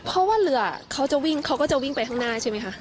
เพราะว่าเรือเขาจะวิ่งเขาก็จะวิ่งไปข้างหน้าใช่ไหมคะ